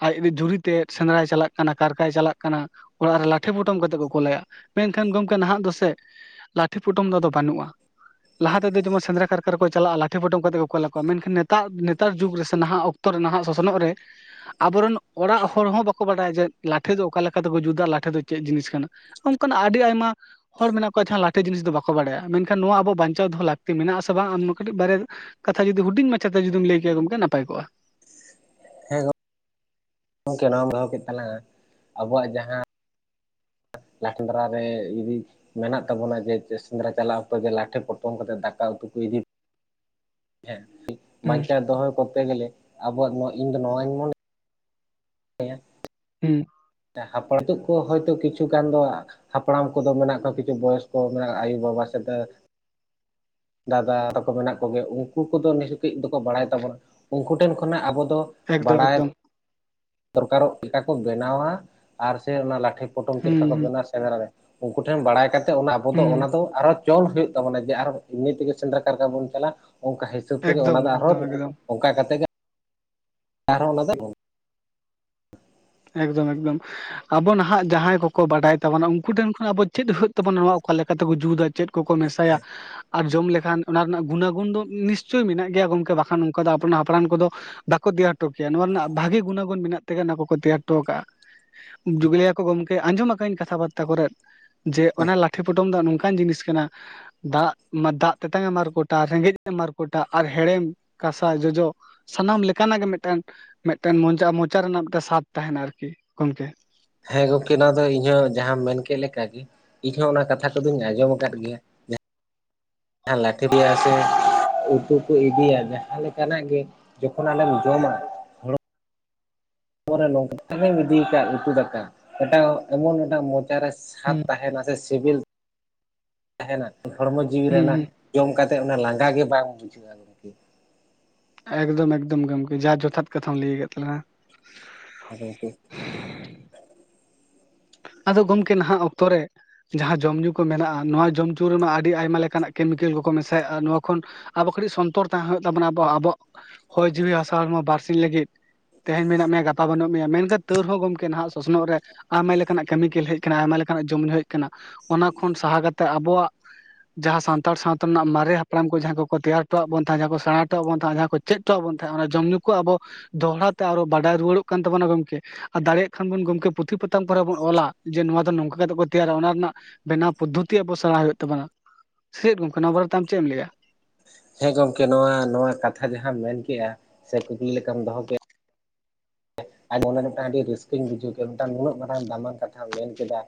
ᱟᱡᱨᱮᱡ ᱡᱩᱨᱤ ᱛᱮᱫ ᱥᱮᱸᱫᱽᱨᱟᱭ ᱪᱟᱞᱟᱜ ᱠᱟᱱᱟ, ᱠᱟᱨᱠᱟᱭ ᱪᱟᱞᱟᱜ ᱠᱟᱱᱟ, ᱚᱲᱟᱜ ᱨᱮ ᱞᱟᱴᱷᱮ ᱯᱚᱴᱚᱢ ᱠᱟᱛᱮᱫ ᱠᱚ ᱠᱚᱞᱟᱹᱭᱟ ᱢᱮᱱ ᱠᱷᱟᱱ ᱜᱚᱝᱠᱮ ᱱᱟᱦᱟᱜ ᱫᱚ ᱥᱮ ᱞᱟᱴᱷᱮ ᱯᱚᱴᱚᱢ ᱫᱚ ᱟᱫᱚ ᱵᱟᱹᱱᱩᱜᱼᱟ ᱾ ᱞᱟᱦᱟ ᱛᱮᱫᱚ ᱡᱮᱢᱚᱱ ᱥᱮᱫᱽᱨᱟ ᱠᱟᱨᱠᱟ ᱨᱮ ᱪᱟᱞᱟᱜᱼᱟ ᱯᱩᱴᱷᱮ ᱯᱚᱴᱚᱢ ᱠᱟᱛᱮ ᱠᱚ ᱠᱩᱞ ᱟᱠᱚᱣᱟᱜ ᱾ ᱢᱮᱱᱠᱷᱟᱱ ᱱᱮᱛᱟᱨ ᱱᱮᱛᱟᱨ ᱡᱩᱜᱽ ᱨᱮ ᱥᱮ ᱱᱟᱦᱟᱜ ᱚᱠᱛᱚ ᱨᱮ ᱱᱟᱦᱟᱜ ᱥᱚᱥᱚᱱᱚᱜ ᱨᱮ ᱟᱵᱚᱨᱮᱱ ᱚᱲᱟᱜ ᱦᱚᱲ ᱦᱚᱸ ᱵᱟᱠᱚ ᱵᱟᱰᱟᱭᱟ ᱡᱮ, ᱞᱟᱴᱷᱮ ᱫᱚ ᱚᱠᱟ ᱞᱮᱠᱟ ᱛᱮᱠᱚ ᱡᱩᱛᱟᱹ? ᱞᱟᱴᱷᱮ ᱫᱚ ᱪᱮᱫ ᱡᱤᱱᱤᱥ ᱠᱟᱱᱟ? ᱚᱱᱠᱟᱱ ᱟᱹᱰᱤ ᱟᱭᱢᱟ ᱦᱚᱲ ᱢᱮᱱᱟᱜ ᱠᱚᱣᱟ ᱡᱟᱦᱟᱸ ᱞᱟᱹᱴᱷᱮ ᱡᱤᱱᱤᱥ ᱫᱚ ᱵᱟᱠᱚ ᱵᱟᱲᱟᱭᱟ ᱾ ᱢᱮᱱᱠᱷᱟᱱ ᱱᱚᱣᱟ ᱟᱵᱚ ᱵᱟᱧᱪᱟᱣ ᱫᱚ ᱞᱟᱹᱠᱛᱤ ᱢᱮᱱᱟᱜᱼᱟ ᱟᱥᱮ ᱵᱟᱝ? ᱟᱢ ᱠᱟᱹᱴᱤᱡ ᱵᱟᱨᱮ ᱠᱟᱛᱷᱟ ᱡᱩᱫᱤ ᱦᱩᱰᱤᱧ ᱢᱟᱪᱷᱟ ᱛᱮ ᱡᱩᱫᱤᱢ ᱞᱟᱹᱭ ᱠᱮᱭᱟ ᱜᱚᱝᱠᱮ ᱱᱟᱯᱟᱭ ᱠᱚᱜᱼᱟ ᱾ ᱦᱮᱸ ᱜᱚᱢᱠᱮ ᱱᱚᱣᱟᱢ ᱫᱚᱦᱚ ᱠᱮᱫ ᱛᱟᱞᱟᱝᱟ ᱟᱵᱚᱣᱟᱜ ᱡᱟᱦᱟᱸ ᱞᱴᱰᱨ ᱨᱮ ᱤ [unintelligible] ᱢᱮᱱᱟᱜ ᱛᱟᱵᱚᱱᱟ ᱡᱮ ᱥᱮᱫᱽᱨᱟ ᱪᱟᱞᱟᱜ ᱚᱠᱛᱚ ᱡᱮ ᱞᱟᱴᱷᱮ ᱯᱚᱴᱚᱢ ᱠᱟᱛᱮ ᱫᱟᱠᱟ ᱩᱛᱩ ᱠᱚ ᱤᱫᱤ ᱾ ᱦᱮᱸ, ᱦᱩᱸ ᱵᱟᱧᱪᱟᱣ ᱫᱚᱦᱚᱭ ᱠᱚᱨᱛᱮ ᱜᱮᱞᱮ ᱟᱵᱚᱣᱟᱜ ᱱᱚᱣᱟ ᱤᱧ ᱫᱚ ᱱᱚᱣᱟᱧ ᱢᱚᱱᱮ ᱦᱮᱸ ᱾ ᱦᱩᱸ ᱾ ᱦᱟᱯᱲᱟᱢ ᱛᱚ ᱠᱚ ᱦᱚᱭᱛᱳ ᱠᱤᱪᱷᱩ ᱜᱟᱱ ᱫᱚ ᱦᱟᱯᱲᱟᱢ ᱠᱚᱫᱚ ᱢᱮᱱᱟᱜ ᱠᱚᱣᱟ, ᱠᱤᱪᱷᱩ ᱵᱚᱭᱚᱥ ᱠᱚ ᱢᱮᱱᱟᱜ ᱟᱭᱩᱼᱵᱟᱵᱟ ᱥᱮᱫ ᱫᱟᱫᱟ ᱛᱟᱠᱚ ᱢᱮᱱᱟᱜ ᱠᱚᱜᱮ, ᱩᱱᱠᱩ ᱠᱚᱫᱚ ᱱᱤᱭᱟᱹ ᱠᱟᱹᱡ ᱫᱚᱠᱚ ᱵᱟᱲᱟᱭ ᱛᱟᱵᱚᱱᱟ ᱾ ᱩᱱᱠᱩ ᱴᱷᱮᱱ ᱠᱷᱚᱱᱟᱜ ᱟᱵᱚ ᱫᱚ ᱮᱠᱫᱚᱢ ᱵᱟᱲᱟᱭ ᱮᱠᱫᱚᱢ ᱾ ᱫᱚᱨᱠᱟᱨᱚᱜ ᱞᱮᱠᱟ ᱠᱚ ᱵᱮᱱᱟᱣᱟ ᱟᱨ ᱥᱮ ᱚᱱᱟ ᱞᱟᱴᱷᱮ ᱯᱚᱴᱚᱢ ᱪᱮᱫ ᱦᱩᱸ ᱞᱮᱠᱟ ᱠᱚ ᱦᱩᱸ ᱵᱮᱱᱟᱣᱟ? ᱥᱮᱸᱫᱽᱨᱟ ᱨᱮ ᱩᱱᱠᱩ ᱴᱷᱮᱱ ᱵᱟᱲᱟᱭ ᱠᱟᱛᱮ ᱚᱱᱟ ᱟᱵᱚ ᱫᱚ ᱦᱩᱸ ᱚᱱᱟ ᱫᱚ ᱟᱨᱚ ᱪᱚᱞ ᱦᱩᱭᱩᱜ ᱛᱟᱵᱚᱱᱟ ᱡᱮ ᱟᱨ ᱱᱤᱛᱜᱮ ᱥᱮᱸᱫᱽᱨᱟ ᱠᱟᱨᱠᱟ ᱵᱚᱱ ᱪᱟᱞᱟᱜᱼᱟ, ᱚᱱᱠᱟ ᱦᱤᱥᱟᱹᱵ ᱛᱮᱜᱮ ᱚᱱᱟ ᱮᱠᱫᱚᱢ ᱫᱚ ᱟᱨᱦᱚᱸ ᱮᱠᱫᱚᱢ ᱮᱠᱫᱚᱢ ᱚᱱᱠᱟ ᱠᱟᱛᱮ ᱜᱮ ᱪᱦ [unintelligible] ᱮᱠᱫᱚᱢ ᱮᱠᱫᱚᱢ ᱾ ᱟᱵᱚ ᱱᱟᱦᱟᱜ ᱡᱟᱦᱟᱸᱭ ᱠᱚᱠᱚ ᱵᱟᱰᱟᱭ ᱛᱟᱵᱚᱱᱟ ᱩᱱᱠᱩ ᱴᱷᱮᱱ ᱠᱷᱚᱱ ᱟᱵᱚ ᱪᱮᱫ ᱛᱚᱵᱳᱱ ᱱᱚᱣᱟ ᱚᱠᱟ ᱞᱮᱠᱟ ᱛᱮᱠᱚ ᱡᱩᱛᱟᱹ ᱪᱮᱫ ᱠᱚᱠᱚ ᱢᱮᱥᱟᱭᱟ ᱟᱨ ᱡᱚᱢ ᱞᱮᱠᱷᱟᱱ ᱚᱱᱟ ᱨᱮᱱᱟᱜ ᱜᱩᱱᱟ ᱜᱩᱱ ᱫᱚ ᱱᱤᱥᱪᱳᱭ ᱢᱮᱱᱟᱜ ᱜᱮᱭᱟ, ᱜᱚᱝᱠᱮ ᱵᱟᱠᱷᱟᱱ ᱚᱱᱠᱟ ᱫᱚ ᱦᱟᱯᱲᱟᱢ ᱠᱚᱫᱚ ᱵᱟᱠᱚ ᱛᱮᱭᱟᱨ ᱦᱚᱴᱚ ᱠᱮᱭᱟ ᱾ ᱱᱚᱣᱟ ᱨᱮᱱᱟᱜ ᱵᱷᱟᱜᱤ ᱜᱩᱱᱟ ᱜᱩᱱ ᱢᱮᱱᱟᱜ ᱛᱮᱜ ᱚᱱᱟ ᱠᱚᱠᱚ ᱛᱮᱭᱟᱨ ᱦᱚᱴᱚ ᱠᱟᱜᱼᱟ ᱾ ᱡᱩᱜᱽᱞᱭᱟ ᱠᱚ ᱜᱚᱝᱠᱮ ᱟᱸᱡᱚᱢ ᱟᱠᱟᱫᱟᱧ ᱠᱟᱛᱷᱟ ᱵᱟᱨᱛᱟ ᱠᱚᱨᱮᱫ ᱡᱮ, ᱚᱱᱟ ᱞᱟᱴᱷᱮ ᱯᱚᱴᱚᱢ ᱫᱚ ᱱᱚᱝᱠᱟᱱ ᱡᱤᱱᱤᱥ ᱠᱟᱱᱟ ᱾ ᱫᱟᱜ ᱢᱟ ᱫᱟᱜ ᱛᱮᱛᱟᱝᱮ ᱢᱟᱨᱠᱚᱴᱟ, ᱨᱮᱸᱜᱮᱡᱮ ᱢᱟᱨᱠᱚᱴᱟ, ᱟᱨ ᱦᱮᱲᱮᱢ ᱠᱟᱥᱟ ᱡᱚᱡᱚ ᱥᱟᱱᱟᱢ ᱞᱮᱠᱟᱱᱟᱜ ᱜᱮ ᱢᱤᱫᱴᱮᱱ ᱢᱤᱫᱴᱮᱱ ᱢᱚ ᱢᱚᱪᱟ ᱨᱮᱱᱟᱜ ᱢᱤᱫᱴᱮᱱ ᱥᱟᱫ ᱛᱟᱦᱮᱱᱟ ᱟᱨᱠᱤ ᱜᱚᱝᱠᱮ ᱾ ᱦᱮᱸ, ᱜᱚᱝᱠᱮ ᱱᱚᱣᱟ ᱫᱚ ᱤᱧ ᱦᱚᱸ ᱡᱟᱦᱟᱸᱟᱢ ᱢᱮᱱ ᱠᱮᱫ ᱞᱮᱠᱟ ᱜᱮ ᱾ ᱤᱧᱦᱚᱸ ᱚᱱᱟ ᱠᱟᱛᱷᱟ ᱠᱚᱫᱚᱧ ᱟᱸᱡᱚᱢ ᱟᱠᱟᱫ ᱜᱮᱭᱟ ᱡᱟᱦᱟᱸ ᱞᱟᱹᱴᱷᱮᱨᱤᱭᱟ ᱥᱮ ᱩᱛᱩ ᱠᱚ ᱤᱫᱤᱭᱟ ᱡᱟᱦᱟᱸ ᱞᱮᱠᱟᱱᱟ ᱜᱮ ᱡᱚᱠᱷᱚᱱ ᱟᱢᱮᱢ ᱡᱚᱢᱟ ᱯᱚᱨᱮ ᱱᱚᱝᱠᱟᱮᱢ ᱤᱫᱤ ᱟᱠᱟᱫ ᱩᱛᱩ ᱫᱟᱠᱟ ᱮᱴᱟᱜ ᱮᱢᱚᱱ ᱮᱴᱟᱜ ᱢᱚᱪᱟᱨᱮ ᱥᱟᱛ ᱦᱩᱸ ᱛᱟᱦᱮᱱᱟ ᱥᱮ ᱥᱤᱵᱤᱞ ᱛᱟᱦᱮᱱᱟ ᱦᱚᱲᱢᱚ ᱡᱤᱣᱤ ᱦᱩᱸ ᱨᱮᱱᱟᱜ ᱦᱩᱸ ᱚᱱᱟ ᱡᱚᱢ ᱠᱟᱛᱮ ᱚᱱᱟ ᱞᱟᱸᱜᱟ ᱜᱮ ᱵᱟᱝ ᱵᱩᱡᱷᱟᱹᱜᱼᱟ ᱜᱚᱢᱠᱮ ᱮᱠᱫᱚᱢ ᱮᱠᱫᱚᱢ ᱜᱚᱢᱠᱮ ᱡᱟ ᱡᱚᱛᱷᱟᱛ ᱠᱟᱛᱷᱟᱢ ᱞᱟᱹᱭ ᱟᱠᱟᱫᱟ ᱛᱟᱞᱟᱝᱟ ᱦᱮ ᱜᱚᱢᱠᱮ ᱟᱫᱚ ᱜᱚᱢᱠᱮ ᱱᱟᱦᱟᱜ ᱚᱠᱛᱚᱨᱮ ᱡᱟᱦᱟᱸ ᱡᱚᱢ ᱧᱩ ᱠᱚ ᱢᱮᱱᱟᱜᱼᱟ ᱱᱚᱣᱟ ᱡᱚᱢ ᱧᱩ ᱨᱮᱢᱟ ᱟᱹᱰᱤ ᱟᱭᱢᱟ ᱞᱮᱠᱟᱱᱟᱜ ᱠᱮᱢᱤᱠᱮᱞ ᱠᱚᱠᱚ ᱢᱮᱥᱟᱭᱮᱫᱼᱟ ᱱᱚᱣᱟ ᱠᱷᱚᱱ ᱟᱵᱚ ᱠᱟᱹᱴᱤᱡ ᱥᱚᱱᱛᱚᱨ ᱛᱟᱦᱮᱸ ᱦᱩᱭᱩᱜ ᱛᱟᱵᱚᱱᱟ ᱟᱵᱚ ᱟᱵᱚᱣᱟᱜ ᱦᱚᱭ ᱡᱤᱣᱤ ᱦᱟᱥᱟ ᱦᱚᱲᱢᱚ ᱵᱟᱨᱥᱤᱧ ᱞᱟᱹᱜᱤᱫ ᱛᱮᱦᱮᱧ ᱢᱮᱱᱟᱜ ᱢᱮᱭᱟ ᱜᱟᱯᱟ ᱵᱟᱹᱱᱩᱜ ᱢᱮᱭᱟ ᱢᱮᱱᱠᱷᱟᱱ ᱛᱟᱹᱣ ᱨᱮ ᱦᱚᱸ ᱜᱚᱢᱠᱮ ᱱᱟᱦᱟᱜ ᱥᱚᱥᱱᱚᱜ ᱨᱮ ᱟᱭᱢᱟ ᱞᱮᱠᱟᱱᱟᱜ ᱠᱮᱢᱤᱠᱮᱞ ᱦᱮᱡ ᱟᱠᱟᱱᱟ ᱟᱭᱢᱟ ᱞᱮᱠᱟᱱᱟᱜ ᱡᱚᱢ ᱧᱩ ᱦᱮᱡ ᱠᱟᱱᱟ ᱚᱱᱟ ᱠᱷᱚᱱ ᱥᱟᱦᱟ ᱠᱟᱛᱮ ᱟᱵᱚᱣᱟᱜ ᱦ [inaudible] ᱡᱟᱦᱟᱸ ᱥᱟᱱᱛᱟᱲ ᱥᱟᱶᱛᱟ ᱨᱮᱱᱟᱜ, ᱢᱟᱨᱮ ᱦᱟᱯᱲᱟᱢ ᱠᱚ ᱡᱟᱦᱟᱸ ᱠᱚ ᱛᱮᱭᱟᱨ ᱦᱚᱴᱚᱣᱟᱜ ᱵᱚᱱ ᱛᱟᱦᱮᱸ, ᱡᱟᱦᱟᱸ ᱠᱚ ᱥᱮᱬᱟ ᱦᱚᱴᱚᱣᱟᱜ ᱵᱚᱱ ᱛᱟᱦᱮᱸ ᱡᱟᱦᱟᱸ, ᱪᱮᱫ ᱴᱚᱣᱟᱜ ᱵᱚᱱ ᱛᱟᱦᱮᱸᱜᱼᱟ ᱚᱱᱟ ᱡᱚᱢ ᱧᱩ ᱠᱚ ᱟᱵᱚ ᱫᱚᱦᱲᱟ ᱛᱮ ᱟᱨᱚ ᱵᱟᱰᱟᱭ ᱨᱩᱣᱟᱹᱲᱚᱜ ᱠᱟᱱ ᱛᱟᱵᱚᱱᱟ ᱜᱚᱢᱠᱮ ᱟᱨ ᱫᱟᱲᱮᱭᱟᱜ ᱠᱷᱟᱱ ᱵᱚᱱ ᱜᱚᱢᱠᱮ ᱯᱩᱛᱷᱤ ᱯᱟᱛᱟᱢ ᱠᱚᱨᱮ ᱵᱚᱱ ᱚᱞᱟ ᱡᱮ ᱱᱚᱣᱟ ᱫᱚ ᱱᱚᱝᱠᱟ ᱠᱟᱛᱮᱫ ᱠᱚ ᱛᱮᱭᱟᱨᱟ ᱚᱱᱟ ᱨᱮᱱᱟᱜ ᱵᱮᱱᱟᱣ ᱯᱚᱫᱽᱫᱷᱚᱛᱤ ᱟᱵᱚ ᱥᱮᱬᱟ ᱦᱩᱭᱩᱜ ᱛᱟᱵᱚᱱᱟ ᱪᱮᱫ ᱜᱚᱢᱠᱮ ᱱᱚᱣᱟ ᱵᱟᱨᱛᱮ ᱟᱢ ᱪᱮᱫ ᱮᱢ ᱞᱟᱹᱭᱟ ᱦᱮᱸ ᱜᱚᱢᱠᱮ ᱱᱚᱣᱟ ᱱᱚᱣᱟ ᱠᱟᱛᱷᱟ ᱡᱟᱦᱟᱸᱢ ᱢᱮᱱ ᱠᱮᱫᱮᱜᱼᱟ ᱥᱮ ᱠᱩᱠᱞᱤ ᱞᱮᱠᱟᱢ ᱫᱚᱦᱚ ᱠᱮᱫᱼᱟ ᱟᱨ ᱢᱚᱱᱮ ᱢᱤᱫᱴᱟᱝ ᱟᱹᱰᱤ ᱨᱟᱹᱥᱠᱟᱹᱧ ᱵᱩᱡᱷᱟᱹᱣ ᱠᱮᱫᱟ ᱢᱤᱫᱴᱟᱝ ᱱᱩᱱᱟᱹᱜ ᱢᱟᱨᱟᱝ ᱫᱟᱢᱟᱱ ᱠᱟᱛᱷᱟᱢ ᱢᱮᱱ ᱠᱮᱫᱟ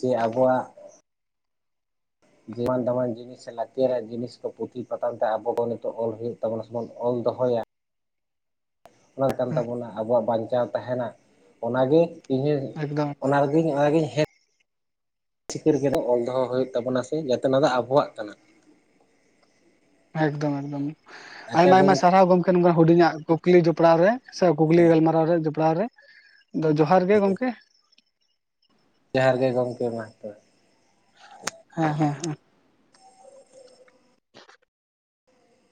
ᱡᱮ ᱟᱵᱚᱣᱟᱜ ᱡᱮᱢ ᱫᱟᱢᱟᱱ ᱡᱤᱱᱤᱥ ᱥᱮ ᱞᱟᱹᱠᱛᱤᱭᱟᱜ ᱨᱮ ᱡᱤᱱᱤᱥ ᱠᱚ ᱯᱩᱛᱷᱤ ᱯᱟᱛᱷᱟᱢ ᱛᱮ ᱟᱵᱚ ᱵᱚᱱ ᱱᱤᱛᱚᱜ ᱚᱞ ᱦᱩᱭᱩᱜ ᱛᱟᱵᱚᱱᱟ ᱥᱮᱵᱚᱱ ᱚᱞ ᱫᱚᱦᱚᱭᱟ ᱚᱱᱟ ᱠᱟᱱ ᱦᱮᱸ ᱛᱟᱵᱚᱱᱟ ᱟᱵᱚᱣᱟᱜ ᱵᱟᱧᱪᱟᱣ ᱛᱟᱦᱮᱱᱟ ᱚᱱᱟᱜᱮ ᱤᱧ ᱦᱚᱸ ᱮᱠᱫᱚᱢ ᱚᱱᱟ ᱮᱠᱫᱚᱢ ᱚᱱᱟᱜᱮᱧ ᱦᱮ ᱥᱤᱠᱟᱹᱨ ᱠᱮᱫᱟ ᱚᱞ ᱫᱚᱦᱚ ᱦᱩᱭᱩᱜ ᱛᱟᱵᱚᱱᱟ ᱥᱮ ᱡᱮ ᱫᱚ ᱟᱵᱚᱣᱟᱜ ᱠᱟᱱᱟ ᱮᱠᱫᱚᱢ ᱮᱠᱫᱚᱢ ᱟᱪᱪᱷᱟ ᱟᱭᱢᱟ ᱟᱭᱢᱟ ᱜᱚᱢᱠᱮ ᱥᱟᱨᱦᱟᱣ ᱜᱚᱝᱠᱮ ᱱᱚᱝᱠᱟᱱ ᱦᱩᱰᱤᱧᱟᱜ ᱠᱩᱠᱞᱤ ᱡᱚᱯᱲᱟᱣ ᱨᱮ ᱥᱮ ᱠᱩᱠᱞᱤ ᱜᱟᱞᱢᱟᱨᱟᱣ ᱨᱮ ᱡᱚᱯᱲᱟᱣ ᱨᱮ ᱟᱫᱚ ᱡᱚᱦᱟᱨ ᱜᱮ ᱜᱚᱝᱠᱮ ᱡᱚᱦᱟᱨ ᱜᱮ ᱜᱚᱢᱠᱮ ᱢᱟ ᱛᱚᱵᱮ ᱦᱮᱸ ᱦᱮᱸ ᱦᱮᱸ